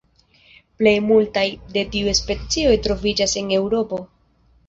Plej multaj el tiuj specioj troviĝas en Eŭropo.